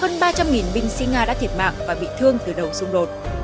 hơn ba trăm linh binh sĩ nga đã thiệt mạng và bị thương từ đầu xung đột